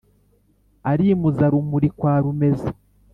arimuza rumuri kwa rumeza.